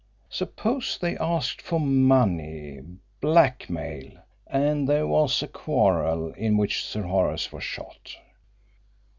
Suppose they asked for money blackmail and there was a quarrel in which Sir Horace was shot.